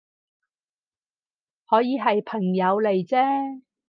可以係朋友嚟啫